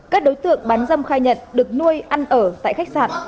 các đối tượng bán dâm khai nhận được nuôi ăn ở tại khách sạn